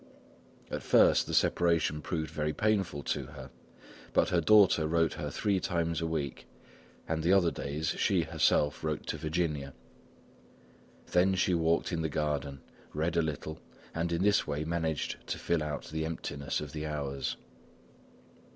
At first the separation proved very painful to her. But her daughter wrote her three times a week and the other days she, herself, wrote to Virginia. Then she walked in the garden, read a little, and in this way managed to fill out the emptiness of the hours.